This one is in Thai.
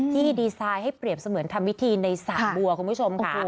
ที่ดีไซน์ให้เปรียบเสมือนทำพิธีในสระบัวคุณผู้ชมค่ะ